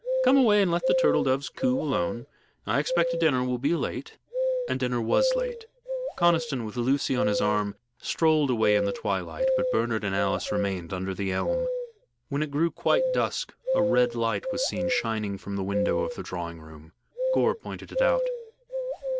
"Come away and let the turtle doves coo alone. I expect dinner will be late." And dinner was late. Conniston, with Lucy on his arm, strolled away in the twilight, but Bernard and Alice remained under the elm. When it grew quite dusk a red light was seen shining from the window of the drawing room. Gore pointed it out.